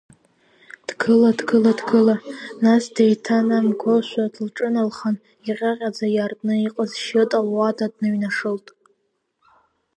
Дгыла, дгыла, дгыла, нас деиҭанамгошәа лҿыналхан, иҟьаҟьаӡа иаартны иҟаз Шьыта луада дныҩнашылт.